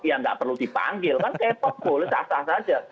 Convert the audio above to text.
ya tidak perlu dipanggil kan k pop boleh tasah saja